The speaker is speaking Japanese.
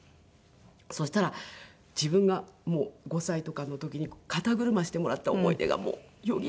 そしたら自分が５歳とかの時に肩車してもらった思い出がよぎっちゃって。